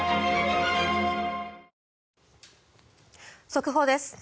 速報です。